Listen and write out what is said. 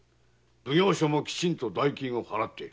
奉行所もきちんと代金を払っている。